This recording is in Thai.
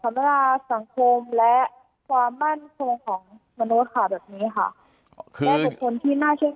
สำนาคสังคมและความมั่นทรงของมนุษย์ค่ะแบบนี้ค่ะคือคนที่